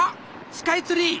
スカイツリー！